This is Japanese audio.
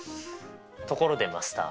ところでマスター。